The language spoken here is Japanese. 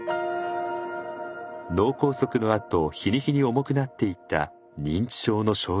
脳梗塞のあと日に日に重くなっていった認知症の症状。